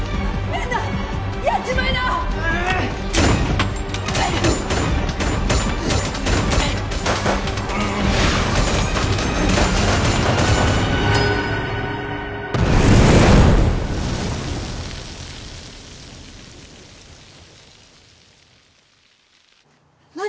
みんなやっちまいな何？